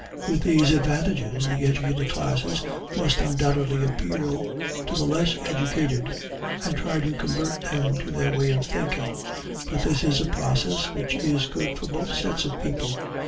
With these advantages, the educated classes must undoubtedly appeal to the less educated, and try to convert them to their way of thinking; but this is a process which is good for both sets of people.